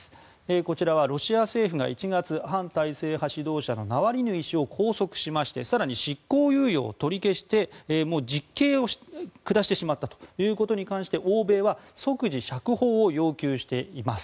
こちらはロシア政府が１月反体制派指導者のナワリヌイ氏を拘束しまして更に執行猶予を取り消してもう実刑を下してしまったということに関して欧米は即時釈放を要求しています。